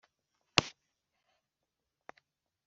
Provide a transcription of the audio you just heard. igisubizo cya echo numuntu wubukonje